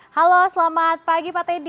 halo selamat pagi pak teddy